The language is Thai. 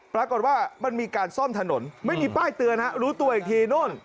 ปรากฏว่ามันมีการซ่อมถนนไม่มีป้ายเตือนฮะรู้ตัวอีกทีโน่น